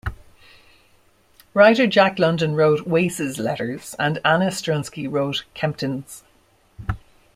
Writer Jack London wrote "Wace's" letters, and Anna Strunsky wrote "Kempton's.